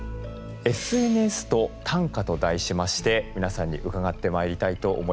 「ＳＮＳと短歌」と題しまして皆さんに伺ってまいりたいと思います。